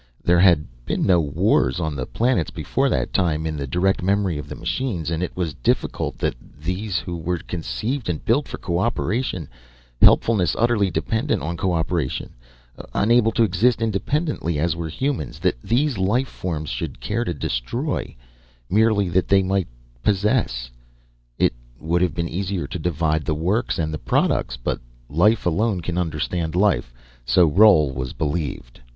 There had been no wars on the planets before that time in the direct memory of the machines, and it was difficult that these who were conceived and built for cooperation, helpfulness utterly dependent on cooperation, unable to exist independently as were humans, that these life forms should care to destroy, merely that they might possess. It would have been easier to divide the works and the products. But life alone can understand life, so Roal was believed.